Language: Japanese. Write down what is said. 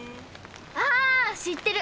あ知ってる。